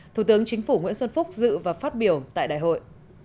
thủ tướng chính phủ nguyễn xuân phúc dự và phát biểu tại đại hội